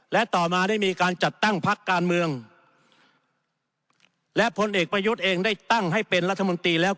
และต่อมาได้มีการจัดตั้งพักการเมืองและพลเอกประยุทธ์เองได้ตั้งให้เป็นรัฐมนตรีแล้ว